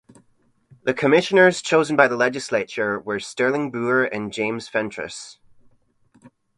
The commissioners chosen by the Legislature were Sterling Brewer and James Fentress.